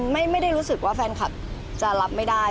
ไม่ได้รู้สึกว่าแฟนคลับจะรับไม่ได้